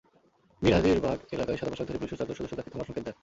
মীর হাজীরবাগ এলাকায় সাদা পোশাকধারী পুলিশের চারজন সদস্য তাঁকে থামার সংকেত দেন।